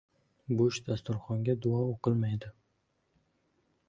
• Bo‘sh dasturxonga duo o‘qilmaydi.